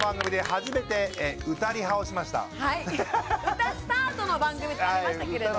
歌スタートの番組となりましたけれども。